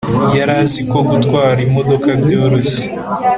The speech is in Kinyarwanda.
Yari azi ko gutwara imodoka byoroshye